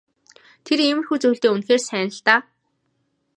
Тэр иймэрхүү зүйлдээ үнэхээр сайн л даа.